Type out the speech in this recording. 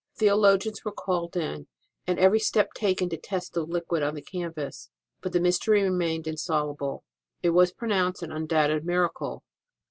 Theologians were called in, and every step taken to test the liquid on the canvas, but the mystery remained insoluble, and was pronounced an undoubted miracle.